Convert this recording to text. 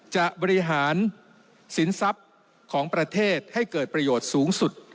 จะบริหารสินทรัพย์ของประเทศให้เกิดประโยชน์สูงสุด